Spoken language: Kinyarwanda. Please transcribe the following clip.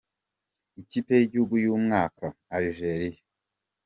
Ikipe y’ igihugu y’ umwaka: Algeria.